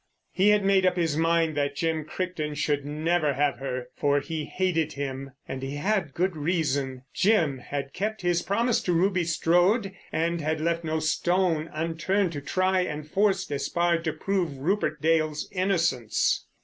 He had made up his mind that Jim Crichton should never have her. For he hated him. And he had good reason. Jim had kept his promise to Ruby Strode and had left no stone unturned to try and force Despard to prove Rupert Dale's innocence.